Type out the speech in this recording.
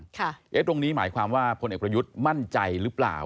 ตรงนี้หมายความว่าพลเอกประยุทธ์มั่นใจหรือเปล่า